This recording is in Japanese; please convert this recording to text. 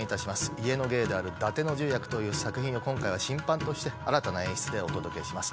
家の芸である『伊達の十役』という作品の今回は新版として新たな演出でお届けします。